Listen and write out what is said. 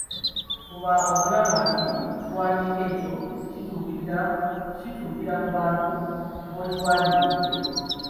Fuba okulaba nti ekiwandiiko ekyo kituukira ku bantu b'okiwandiikidde.